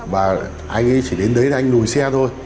và anh ấy chỉ đến đấy anh lùi xe thôi